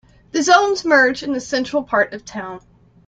The zones merge in the central part of town.